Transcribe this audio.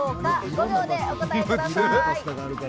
５秒でお答えください。